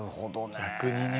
逆にね。